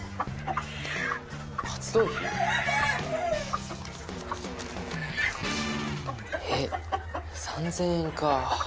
活動費？え３０００円かぁ。